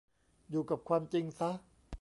อยู่กับความจริงซะ